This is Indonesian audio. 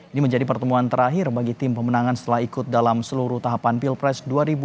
ini menjadi pertemuan terakhir bagi tim pemenangan setelah ikut dalam seluruh tahapan pilpres dua ribu dua puluh